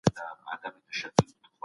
زه به سبا د درسونو يادونه وکړم.